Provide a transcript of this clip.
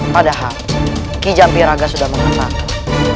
padahal kijampiraga sudah mengatakan